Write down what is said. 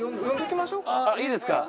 いいですか？